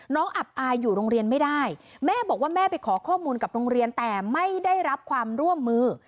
อับอายอยู่โรงเรียนไม่ได้แม่บอกว่าแม่ไปขอข้อมูลกับโรงเรียนแต่ไม่ได้รับความร่วมมือ